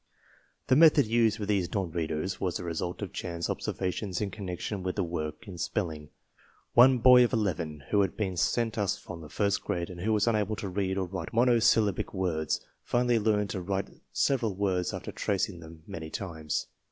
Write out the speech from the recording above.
The method used with these non readers was the result of chance observations in connection with the work in spelling. One boy of eleven who had been sent us from the first grade and who was unable to read or write monosyllabic words finally learned to write several words after tracing them many times.